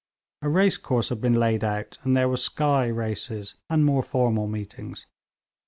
A racecourse had been laid out, and there were 'sky' races and more formal meetings.